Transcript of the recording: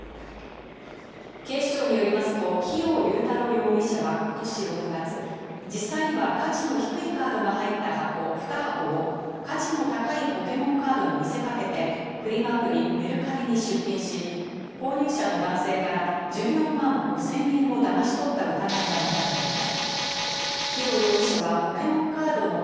警視庁によりますと、日用竜太郎容疑者はことし６月、実際には価値の低いカードが入った箱２箱を価値の高いポケモンカードに見せ掛けてフリマアプリ・メルカリに出品し、購入者の男性から１４万５０００円をだまし取った疑いが持たれています。